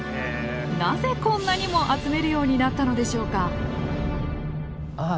なぜこんなにも集めるようになったのでしょうか？